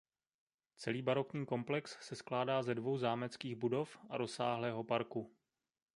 Celý barokní komplex se skládá ze dvou zámeckých budov a rozsáhlého parku.